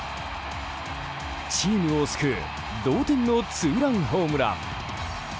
チームを救う同点のツーランホームラン。